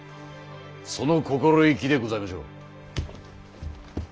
その心意気でございましょう。